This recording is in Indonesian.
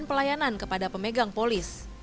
pada pemegang polis